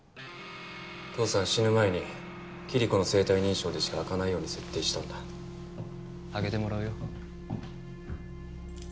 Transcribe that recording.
父さん死ぬ前にキリコの生体認証でしか開かないように設定したんだ開けてもらうよ